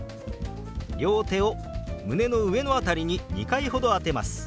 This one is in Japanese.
両手を胸の上の辺りに２回ほど当てます。